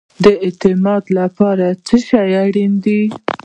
د اعتماد لپاره څه شی اړین دی؟